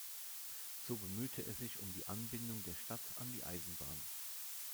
So bemühte er sich um die Anbindung der Stadt an die Eisenbahn.